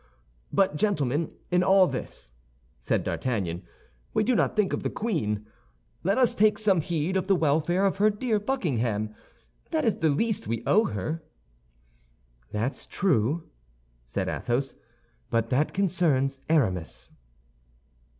"But, gentlemen, in all this," said D'Artagnan, "we do not think of the queen. Let us take some heed of the welfare of her dear Buckingham. That is the least we owe her." "That's true," said Athos; "but that concerns Aramis."